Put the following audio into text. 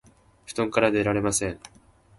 布団から出られません